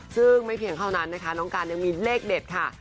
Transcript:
ซึ่งไม่เพียงเท่านั้นนะคะน้องการยังมีเลขเด็ดค่ะ